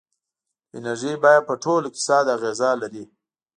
د انرژۍ بیه په ټول اقتصاد اغېزه لري.